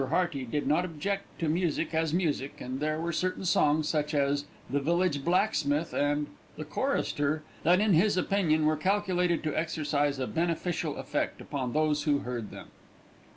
Hearty did not object to music as music, and there were certain songs, such as "The Village Blacksmith" and "The Chorister" that in his opinion were calculated to exercise a beneficial effect upon those who heard them.